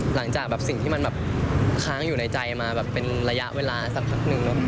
หลังจากสิ่งที่มันค้างอยู่ในใจมาเป็นระยะเวลาสักครั้งนึง